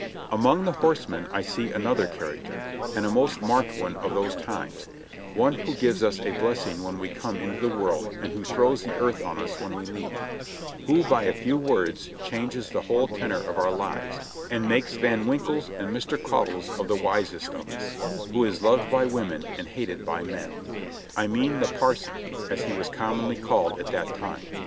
Among the horsemen I see another character, and a most marked one of those times ; one who gives us a blessing when we come into the world and who throws the earth on us when we leave ; who by a few words changes the whole tenor of our lives, and makes Van Winkles and Mr. Caudles of the wisest of us — who is loved by women and hated by men. I mean the Parson, as he was commonly called at that time.